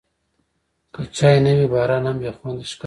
که چای نه وي، باران هم بېخونده ښکاري.